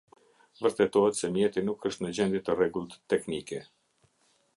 Vërtetohet se mjeti nuk është në gjendje të rregullt teknike.